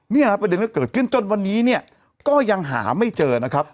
เนี่ยนะประเด็นก็เกิดขึ้นจนวันนี้เนี่ยก็ยังหาไม่เจอนะครับ